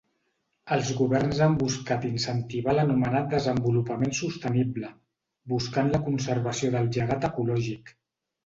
Els governs han buscat incentivar l'anomenat desenvolupament sostenible, buscant la conservació del llegat ecològic.